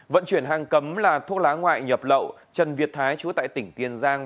vận chuyển hàng cấm là thuốc lá ngoại nhập lậu trần việt thái trú tại tỉnh tiên giang